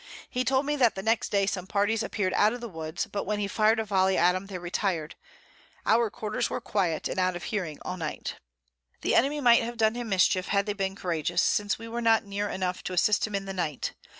He told me that the next Day some Parties appear'd out of the Woods; but when he fired a Volley at 'em, they retir'd, our Quarters were quiet, and out of hearing all Night. The Enemy might have done him Mischief, had they been couragious, since we were not near enough to assist him in the Night.